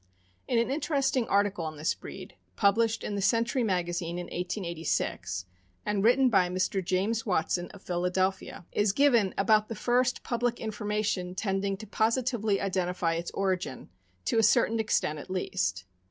In an interesting article on this breed, published in the Century Magazine in 1886, and written by Mr. James Wat son, of Philadelphia, is given about the first public infor mation tending to positively identify its origin — to a certain extent, at least.